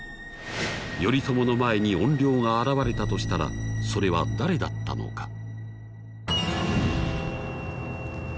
頼朝の前に怨霊が現れたとしたらそれは誰だったのか？